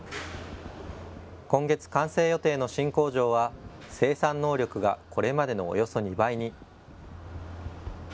今月、完成予定の新工場は生産能力がこれまでのおよそ２倍に。